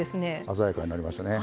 鮮やかになりましたね。